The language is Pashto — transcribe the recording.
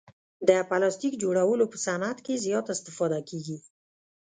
د پلاستیک جوړولو په صعنت کې زیاته استفاده کیږي.